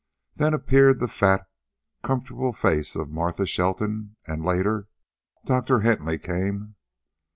Then appeared the fat, comfortable face of Martha Shelton, and, later, Dr. Hentley came.